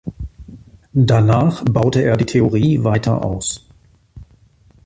Danach baute er die Theorie weiter aus.